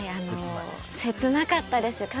切なかったです。